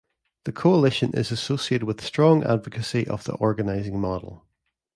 The coalition is associated with strong advocacy of the organizing model.